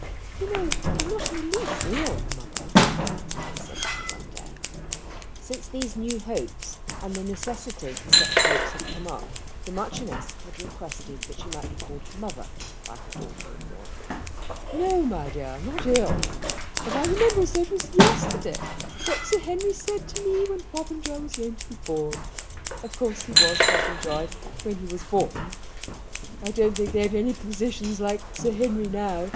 "You know I'm not the least ill, mother," Mary said to her one day. Since these new hopes and the necessity for such hopes had come up the Marchioness had requested that she might be called mother by her daughter in law. "No, my dear, not ill; but I remember as though it were yesterday what Sir Henry said to me when Popenjoy was going to be born. Of course he was Popenjoy when he was born. I don't think they've any physicians like Sir Henry now.